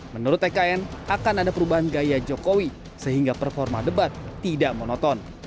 menurut tkn akan ada perubahan gaya jokowi sehingga performa debat tidak monoton